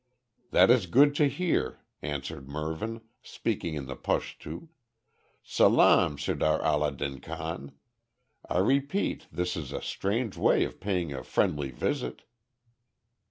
"That is good to hear," answered Mervyn, speaking in the Pushtu, "Salaam, Sirdar Allah din Khan. I repeat this is a strange way of paying a friendly visit."